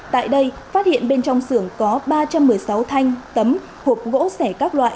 tại đây phát hiện bên trong xưởng có ba trăm một mươi sáu thanh tấm hộp gỗ sẻ các loại